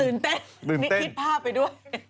ตื่นเต้นมีคิดภาพไปด้วย